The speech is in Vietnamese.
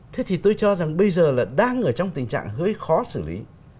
thế thì tôi cho rằng bây giờ là đang ở trong tình trạng hơi khó xử lý